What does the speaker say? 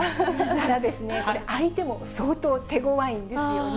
ただ、相手も相当手ごわいんですよね。